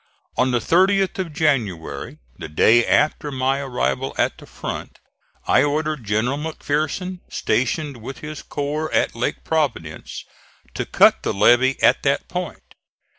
On the 30th of January, the day after my arrival at the front, I ordered General McPherson, stationed with his corps at Lake Providence, to cut the levee at that point.